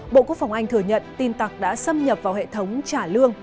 bộ quốc phòng anh thừa nhận tin tặc đã xâm nhập vào hệ thống trả lương